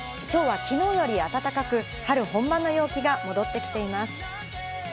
今日は昨日より暖かく春本番の陽気が戻ってきています。